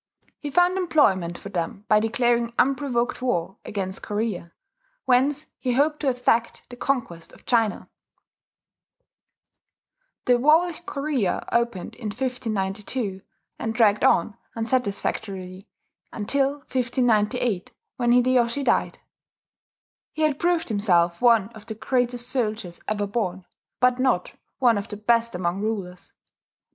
He found employment for them by declaring unprovoked war against Korea, whence he hoped to effect the conquest of China. The war with Korea opened in 1592, and dragged on unsatisfactorily until 1598, when Hideyoshi died. He had proved himself one of the greatest soldiers ever born, but not one of the best among rulers.